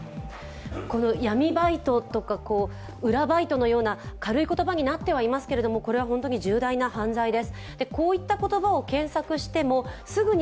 闇バイトとか裏バイトのような軽い言葉になってはいますがこれは本当に重大な犯罪です。